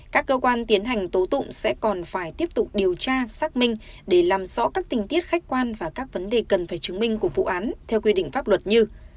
các cơ quan tiến hành tố tụng sẽ còn phải tiếp tục điều tra xác minh để làm rõ các tình tiết khách quan và các vấn đề cần phải chứng minh của vụ án theo quy định pháp luật như